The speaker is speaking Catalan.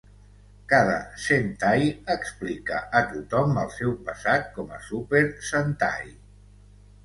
Cada sentai explica a tothom el seu passat com a Super Sentai.